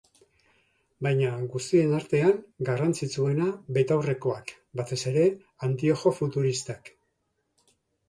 Baina guztien artean garrantzitsuena, betaurrekoak, batez ere, antiojo futuristak.